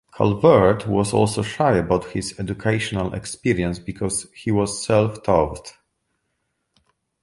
Calvert was also shy about his educational experience because he was self-taught.